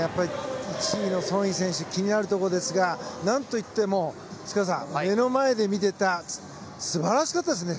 １位のソン・イ選手が気になるところですが何といっても塚原さん、目の前で見ていた素晴らしかったですね。